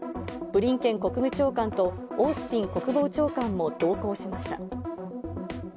ブリンケン国務長官とオースティン国防長官も同行しました。